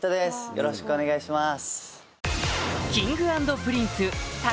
よろしくお願いします。